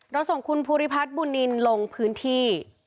ส่งคุณภูริพัฒน์บุญนินลงพื้นที่